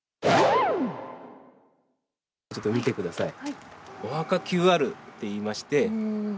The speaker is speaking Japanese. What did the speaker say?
ちょっと見てください。